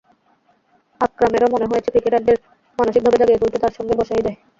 আকরামেরও মনে হয়েছে, ক্রিকেটারদের মানসিকভাবে জাগিয়ে তুলতে তাঁর সঙ্গে বসাই যায়।